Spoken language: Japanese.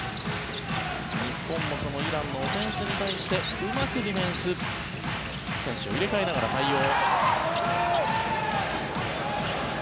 日本もイランのオフェンスに対してうまくディフェンス選手を入れ替えながら対応。